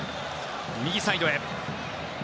右サイドへ。